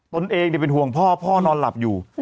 ตนเองเป็นห่วงพ่อพ่อนอนหลับอยู่